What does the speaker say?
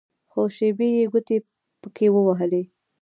څو شېبې يې ګوتې پکښې ووهلې.